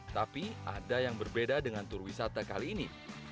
tapi ada yang berbeda dengan tur wisata kali ini